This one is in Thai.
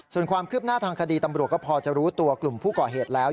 ส่วนความคืบหน้าทางคดีตำรวจก็พอจะรู้ตัวกลุ่มผู้ก่อเหตุแล้ว